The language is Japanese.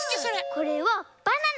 これはバナナ。